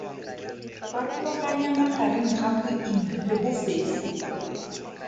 Farologanya magareng ga boima le bofefo.